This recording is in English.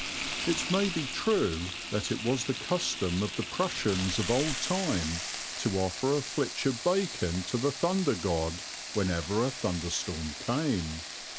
It may be true that it was the custom of the Prussians of old time to offer a flitch of bacon to the thunder god whenever a thunderstorm came.